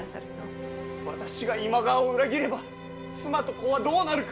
私が今川を裏切れば妻と子はどうなるか！